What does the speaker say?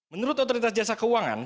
menurut otoritas jasa keuangan